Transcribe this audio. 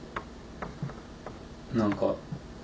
何か。